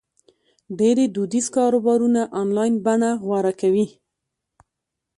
ډېری دودیز کاروبارونه آنلاین بڼه غوره کوي.